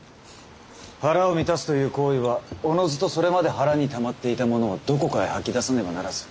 腹を満たすという行為はおのずとそれまで腹にたまっていたものをどこかへ吐き出さねばならず